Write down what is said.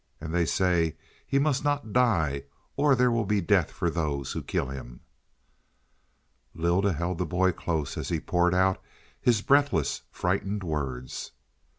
And they say he must not die, or there will be death for those who kill him." Lylda held the boy close as he poured out his breathless frightened words.